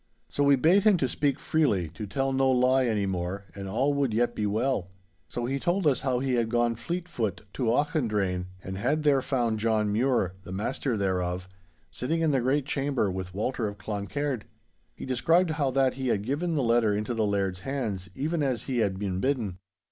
So we bade him to speak freely, to tell no lie anymore and all would yet be well. So he told us how he had gone fleet foot to Auchendrayne and had there found John Mure, the master thereof, sitting in the great chamber with Walter of Cloncaird. He described how that he had given the letter into the Laird's hands, even as he had been bidden.